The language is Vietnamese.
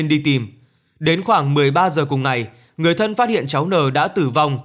đi tìm đến khoảng một mươi ba h cùng ngày người thân phát hiện cháu n đã tử vong